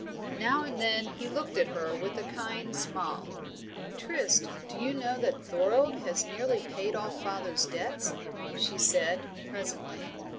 Now and then he looked at her with a kind smile. "Trist, do you know that Thorold has nearly paid off father's debts?" she said, presently.